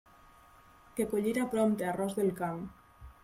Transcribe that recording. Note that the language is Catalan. Que collira prompte arròs del camp!